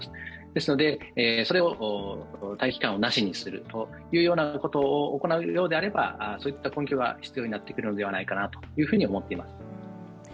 ですので、待機期間をなしにすることを行うのであれば、そういった根拠が必要になってくるのではないかなと思っています。